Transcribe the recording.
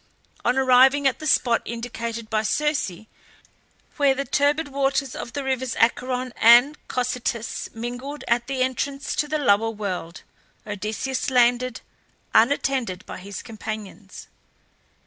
On arriving at the spot indicated by Circe, where the turbid waters of the rivers Acheron and Cocytus mingled at the entrance to the lower world, Odysseus landed, unattended by his companions.